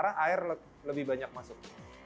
yang terparah air lebih banyak masuk